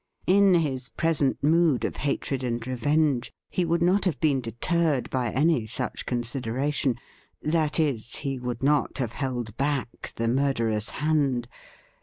In his present mood of hatred and revenge he would not have been deterred by any such consideration — that is, he would not have held back the murderous hand.